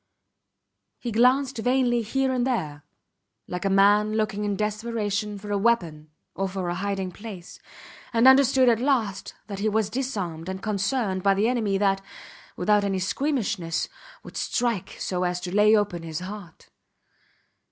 He glanced vainly here and there, like a man looking in desperation for a weapon or for a hiding place, and understood at last that he was disarmed and cornered by the enemy that, without any squeamishness, would strike so as to lay open his heart.